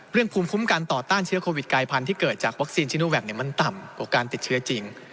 เรื่องภูมิคุ้มการต่อต้านเชื้อโควิดกายพันฯที่เกิดจากวัคซีนจินูแว็กเนี่ยมันต่ำกว่าการติดเชื้อจริง